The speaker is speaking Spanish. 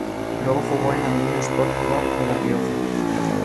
Luego jugó en Andino Sport Club de la Rioja.